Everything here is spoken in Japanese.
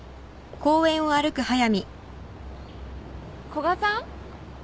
古賀さん？